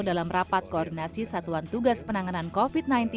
dalam rapat koordinasi satuan tugas penanganan covid sembilan belas